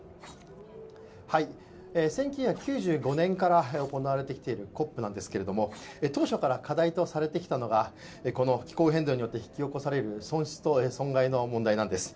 １９９５年から行われてきているＣＯＰなんですけど当初から課題とされてきたのが気候変動によって引き起こされる損失と損害の問題なんです。